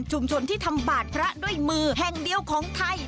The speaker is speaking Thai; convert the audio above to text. ที่ทำบาดพระด้วยมือแห่งเดียวของไทย